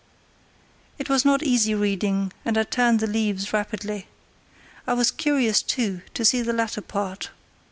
It was not easy reading, and I turned the leaves rapidly. I was curious, too, to see the latter part.